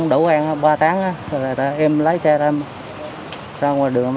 người anh uống